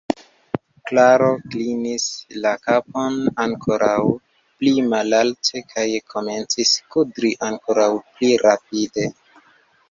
Klaro klinis la kapon ankoraŭ pli malalte kaj komencis kudri ankoraŭ pli rapide.